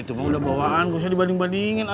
itu mah udah bawaan gak usah dibanding bandingin